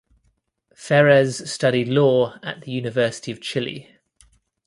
Feres studied law at the of the University of Chile.